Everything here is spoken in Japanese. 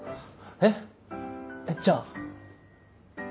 えっじゃあ？